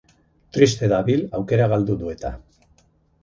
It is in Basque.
Triste dabil, aukera galdu du eta.